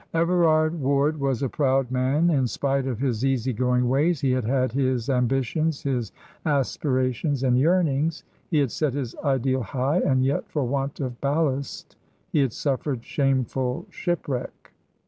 Everard Ward was a proud man, in spite of his easy going ways. He had had his ambitions, his aspirations, and yearnings. He had set his ideal high, and yet, for want of ballast, he had suffered shameful shipwreck.